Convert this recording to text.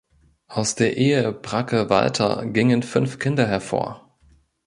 Aus der Ehe Bracke-Walter gingen fünf Kinder hervor.